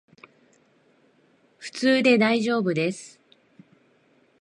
普通でだいじょうぶです